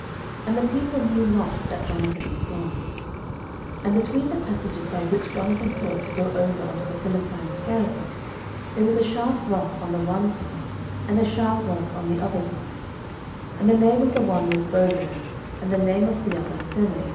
And the people knew not that Jonathan was gone. 09:014:004 And between the passages, by which Jonathan sought to go over unto the Philistines' garrison, there was a sharp rock on the one side, and a sharp rock on the other side: and the name of the one was Bozez, and the name of the other Seneh.